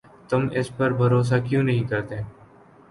تم اس پر بھروسہ کیوں نہیں کرتے؟